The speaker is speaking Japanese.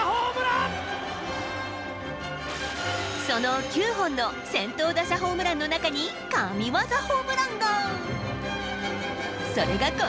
その９本の先頭打者ホームランの中に神技ホームランが。